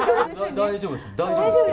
大丈夫ですよ。